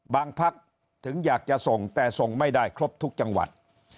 พักถึงอยากจะส่งแต่ส่งไม่ได้ครบทุกจังหวัด